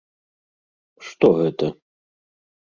Што гэта?